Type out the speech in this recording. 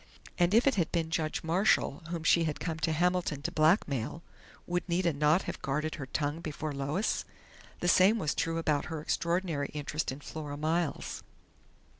And if it had been Judge Marshall whom she had come to Hamilton to blackmail would Nita not have guarded her tongue before Lois? The same was true about her extraordinary interest in Flora Miles....